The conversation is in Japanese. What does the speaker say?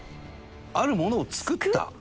あるものを作った？